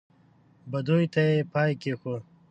بدیو ته یې پای کېښود.